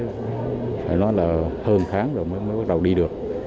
phải nói là hơn tháng rồi mới bắt đầu đi được